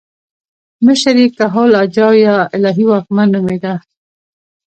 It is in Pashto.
مشر یې کهول اجاو یا الهي واکمن نومېده